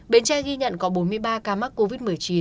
bến tre ghi nhận có bốn mươi ba ca mắc covid một mươi chín